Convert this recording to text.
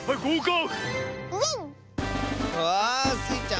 うわあ！スイちゃん